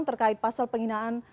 terkait pasal penghinaan